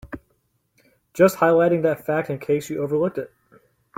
Just highlighting that fact in case you overlooked it.